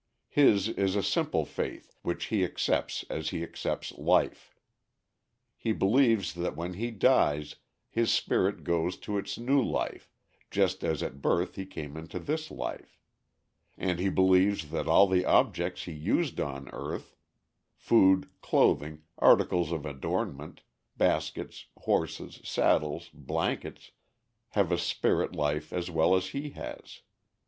His is a simple faith which he accepts as he accepts life. He believes that when he dies his spirit goes to its new life just as at birth he came into this life. And he believes that all the objects he used on earth food, clothing, articles of adornment, baskets, horses, saddles, blankets have a spirit life as well as he has.